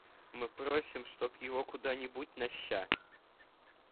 Мы попросим, чтоб его куда-нибудь на Ща!